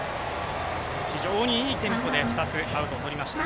非常にいいテンポで２つアウトをとりました。